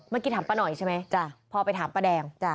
เมื่อกี้ถามป้าหน่อยใช่ไหมพอไปถามป้าแดง